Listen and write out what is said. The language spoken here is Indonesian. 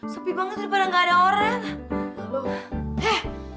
supi banget padahal gak ada orang